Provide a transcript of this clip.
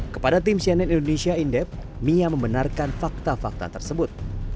kepada tim cnn indonesia indep mia membenarkan fakta fakta tersebut